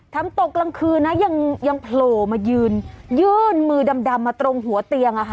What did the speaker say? ตกกลางคืนนะยังโผล่มายืนยื่นมือดำมาตรงหัวเตียงอะค่ะ